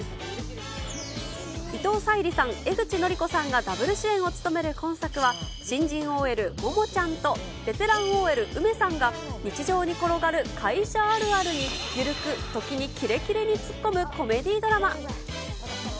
伊藤沙莉さん、江口のりこさんがダブル主演を務める今作は、新人ＯＬ、モモちゃんとベテランＯＬ、ウメさんが、日常に転がる会社あるあるに、緩く、時にキレキレに突っ込むコメディードラマ。